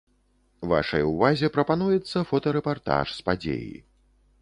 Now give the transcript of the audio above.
Вашай увазе прапануецца фотарэпартаж з падзеі.